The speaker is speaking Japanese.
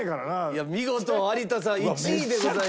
いや見事有田さん１位でございます。